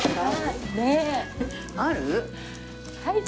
ある？